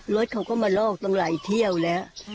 รถเขาก็มาลอกตั้งหลายเที่ยวแล้ว